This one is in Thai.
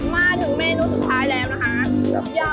มาถึงเมนูสุดท้ายแล้วนะคะ